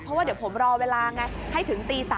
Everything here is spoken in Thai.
เพราะว่าเดี๋ยวผมรอเวลาไงให้ถึงตี๓